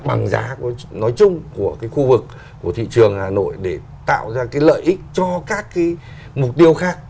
bằng giá nói chung của cái khu vực của thị trường hà nội để tạo ra cái lợi ích cho các cái mục tiêu khác